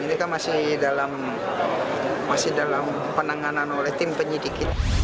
ini kan masih dalam penanganan oleh tim penyidik